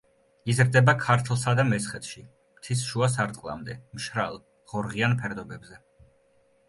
იზრდება ქართლსა და მესხეთში, მთის შუა სარტყლამდე, მშრალ, ღორღიან ფერდობებზე.